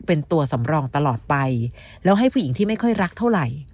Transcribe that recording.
เป็นตัวสำรองตลอดไปแล้วให้ผู้หญิงที่ไม่ค่อยรักเท่าไหร่